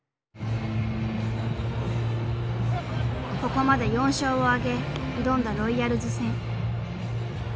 ここまで４勝を挙げ挑んだロイヤルズ戦。